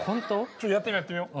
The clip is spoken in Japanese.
ちょっとやってみようやってみよう。